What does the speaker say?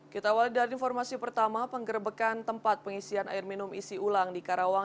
kita awal dari informasi pertama penggerbekan tempat pengisian air minum isi ulang di karawang